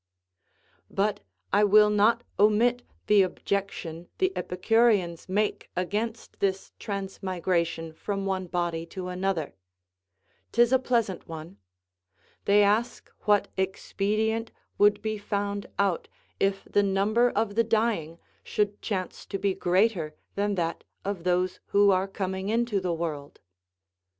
But I will not omit the objection the Epicureans make against this transmigration from one body to another; 'tis a pleasant one; they ask what expedient would be found out if the number of the dying should chance to be greater than that of those who are coming into the world.